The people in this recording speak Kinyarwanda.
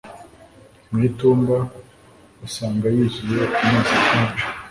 mu itumba, usanga yuzuye amazi akonje